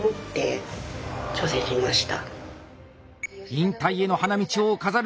引退への花道を飾るか？